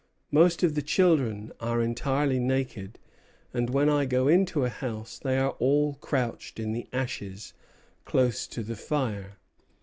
Most of the children are entirely naked; and when I go into a house they are all crouched in the ashes, close to the fire.